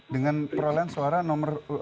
dengan perolehan suara nomor